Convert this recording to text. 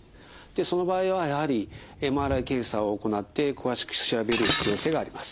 その場合はやはりＭＲＩ検査を行って詳しく調べる必要性があります。